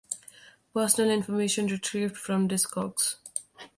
Personnel information retrieved from Discogs.